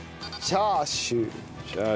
チャーシュー。